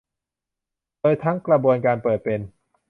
โดยทั้งกระบวนการเปิดเป็น